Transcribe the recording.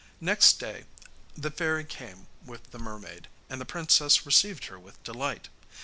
Next day the fairy came with the mermaid, and the princess received her with delight.